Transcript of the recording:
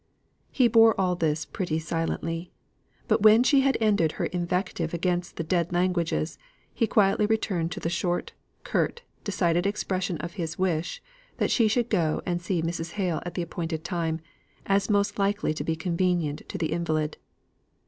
He bore all this pretty silently; but when she had ended her invective against the dead languages, he quietly returned to the short, curt, decided expression of his wish that she should go and see Mrs. Hale at the time appointed, as most likely to be convenient to the invalid.